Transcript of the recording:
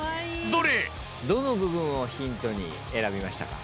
どの部分をヒントに選びましたか。